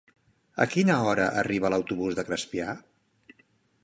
A quina hora arriba l'autobús de Crespià?